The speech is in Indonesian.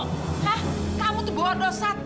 hah kamu tuh bohong dosat